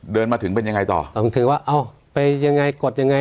เดินมาถึงเป็นยังไงต่อผมถือว่าเอ้าไปยังไงกดยังไง